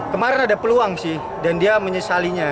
kemarin ada peluang sih dan dia menyesalinya